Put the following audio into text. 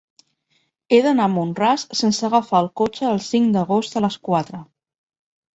He d'anar a Mont-ras sense agafar el cotxe el cinc d'agost a les quatre.